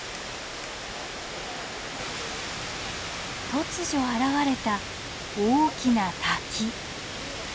突如現れた大きな滝。